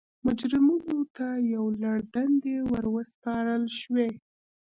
مجرمینو ته یو لړ دندې ور وسپارل شوې.